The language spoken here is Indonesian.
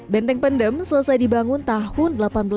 benteng pendem selesai dibangun tahun seribu delapan ratus delapan puluh